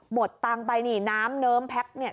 หมดตังเนี่ยน้ำเนิ้มแพคเนี่ย